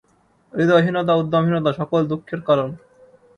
হৃদয়হীনতা, উদ্যমহীনতা সকল দঃখের কারণ।